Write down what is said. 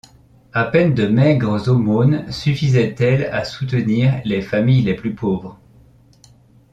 À peine de maigres aumônes suffisaient-elles à soutenir les familles les plus pauvres.